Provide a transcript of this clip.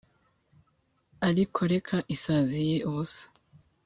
ariko reka isazi ye yubusa